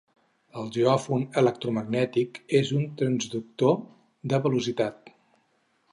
Un geòfon electromagnètic és un transductor de velocitat.